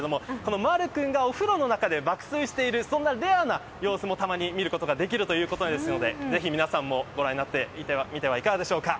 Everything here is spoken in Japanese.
まる君がお風呂の中で爆睡しているそんなレアな様子もたまに見ることができるということですのでぜひ、皆さんもご覧になってみてはいかがでしょうか。